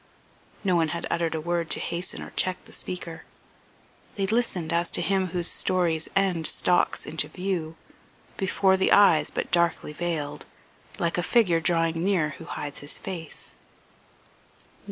No one had uttered a word to hasten or check the speaker. They listened as to him whose story's end stalks into view, before the eyes but darkly veiled, like a figure drawing near who hides his face.